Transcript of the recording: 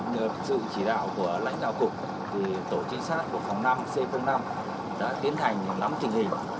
nhờ sự chỉ đạo của lãnh đạo cục tổ chính sát của phòng năm c năm đã tiến hành lắm trình hình